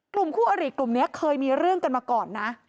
คู่อริกลุ่มนี้เคยมีเรื่องกันมาก่อนนะ